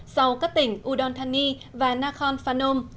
sau các tỉnh udon thani và nakhon phanom